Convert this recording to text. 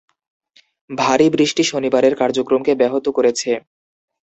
ভারী বৃষ্টি শনিবারের কার্যক্রমকে ব্যাহত করেছে।